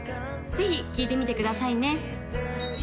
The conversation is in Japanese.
ぜひ聴いてみてくださいね